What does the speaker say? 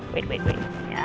baik baik baik